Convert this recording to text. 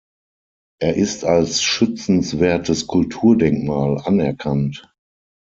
Er ist als schützenswertes Kulturdenkmal anerkannt.